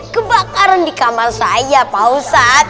kebakaran di kamar saya pak ustadz